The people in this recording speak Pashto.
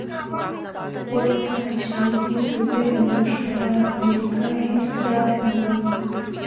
خو د حشمتي د ذهن د ښکلا ملکه هېڅ داغ نه لري.